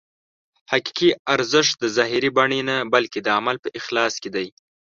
حقیقي ارزښت د ظاهري بڼې نه بلکې د عمل په اخلاص کې دی.